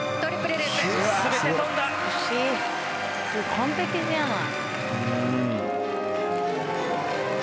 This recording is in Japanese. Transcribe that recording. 完璧じゃない。